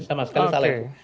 sama sekali salah itu